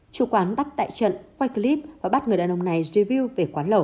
chủ quán bắt đại trận quay clip và bắt người đàn ông này review về quán lẩu